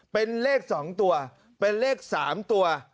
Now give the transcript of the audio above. เป็นเลข๒ตัวเป็นเลข๓ตัว